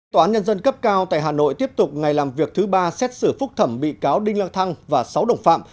tòa án nhân dân cấp cao tại hà nội tiếp tục ngày làm việc thứ ba xét xử phúc thẩm bị cáo đinh lăng thăng và sáu đồng phạm